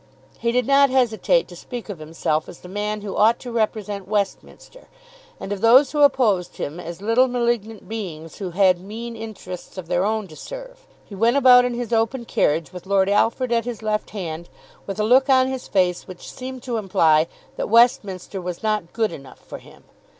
He did not hesitate to speak of himself as the man who ought to represent Westminster, and of those who opposed him as little malignant beings who had mean interests of their own to serve. He went about in his open carriage, with Lord Alfred at his left hand, with a look on his face which seemed to imply that Westminster was not good enough for him.